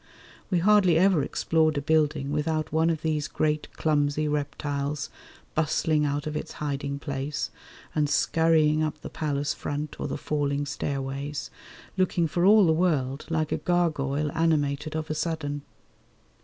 We hardly ever explored a building without one of these great clumsy reptiles bustling out of its hiding place and scurrying up the palace front or the falling stairways, looking for all the world like a gargoyle animated of a sudden.